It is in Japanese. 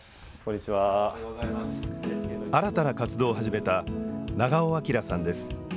新たな活動を始めた長尾彰さんです。